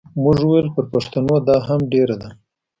موږ وویل پر پښتنو دا هم ډېره ده.